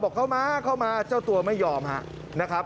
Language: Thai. บอกเข้ามาเข้ามาเจ้าตัวไม่ยอมนะครับ